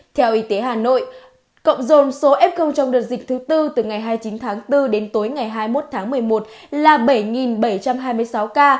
theo y tế hà nội cộng dồn số f trong đợt dịch thứ tư từ ngày hai mươi chín tháng bốn đến tối ngày hai mươi một tháng một mươi một là bảy bảy trăm hai mươi sáu ca